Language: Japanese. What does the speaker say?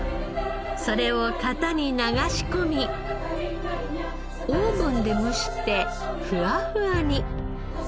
それを型に流し込みオーブンで蒸してフワフワに。